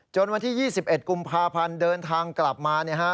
จนวันที่๒๑กุมภาพันธ์เดินทางกลับมาเนี่ยฮะ